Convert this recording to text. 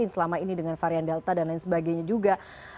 selama ini dengan varian delta dan lain sebagainya juga